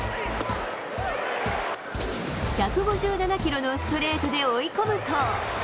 １５７キロのストレートで追い込むと。